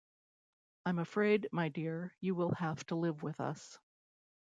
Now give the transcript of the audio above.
I'm afraid, my dear, you will have to live with us.